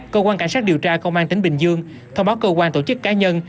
cơ quan cảnh sát điều tra công an tỉnh bình dương thông báo cơ quan tổ chức cá nhân